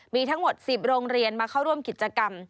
มีทั้งหมด๑๐โรงเรียนมาเข้าร่วมกิจกรรม